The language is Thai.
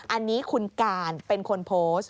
อันนี้คุณการเป็นคนโพสต์